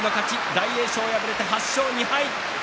大栄翔、敗れまして２敗。